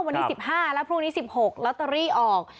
วันนี้๑๕แล้วพรุ่งนี้๑๖ลอตเตอรี่ออก